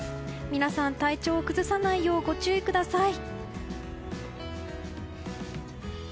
皆さん、体調を崩さないようご注意ください。